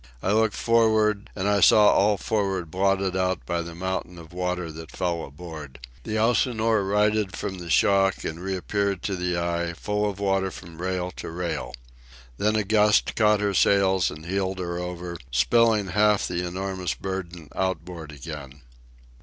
I looked for'ard, and I saw all for'ard blotted out by the mountain of water that fell aboard. The Elsinore righted from the shock and reappeared to the eye, full of water from rail to rail. Then a gust caught her sails and heeled her over, spilling half the enormous burden outboard again.